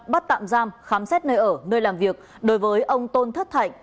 bắt tạm giam khám xét nơi ở nơi làm việc đối với ông tôn thất thạnh